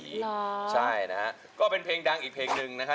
ใช่นะฮะก็เป็นเพลงดังอีกเพลงหนึ่งนะฮะ